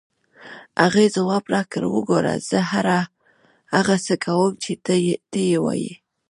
هغې ځواب راکړ: وګوره، زه هر هغه څه کوم چې ته یې وایې.